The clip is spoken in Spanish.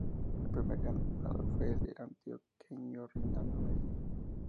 El primer ganador fue el el antioqueño Reinaldo Medina.